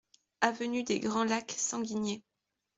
Avenue des Grands Lacs, Sanguinet